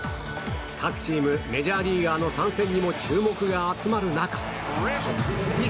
各チームメジャーリーガーの参戦にも注目が集まる中。